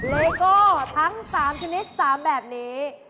แล้วก็ทั้ง๓ชนิด๓แบบนี้